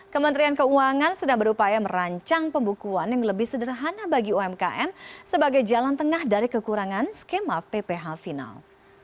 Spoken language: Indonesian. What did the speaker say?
kementerian keuangan sedang berupaya merancang pembukuan yang lebih sederhana bagi umkm sebagai jalan tengah dari kekurangan skema pph final